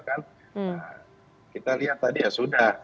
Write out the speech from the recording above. nah kita lihat tadi ya sudah